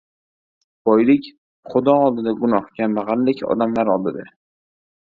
• Boylik — xudo oldida gunoh, kambag‘allik — odamlar oldida.